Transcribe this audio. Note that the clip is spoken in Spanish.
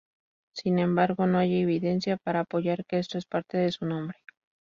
Sin embargo, no hay evidencia para apoyar que esto es parte de su nombre.